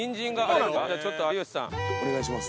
お願いします。